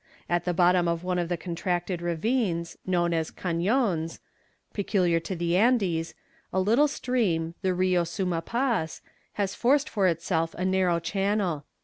At the bottom of one of the contracted ravines, known as "cañons," peculiar to the Andes, a little stream, the Rio Suma Paz, has forced for itself a narrow channel.